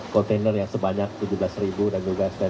kontainer yang sebanyak tujuh belas dan juga